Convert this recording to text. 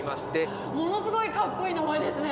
ものすごいかっこいい名前ですね。